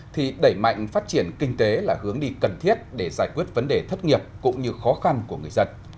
thì đẩy mạnh phát triển kinh tế là hướng đi cần thiết để giải quyết vấn đề thất nghiệp cũng như khó khăn của người dân